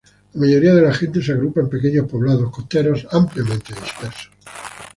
La mayoría de la gente se agrupa en pequeños poblados costeros ampliamente dispersos.